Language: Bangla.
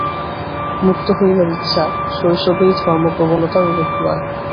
মুক্ত হইবার ইচ্ছা শৈশবেই ধর্মপ্রবণতার রূপ লয়।